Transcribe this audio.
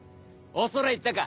恐れ入ったか！